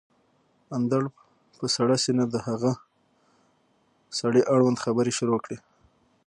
اندړ په سړه سينه د هغه سړي اړوند خبرې شروع کړې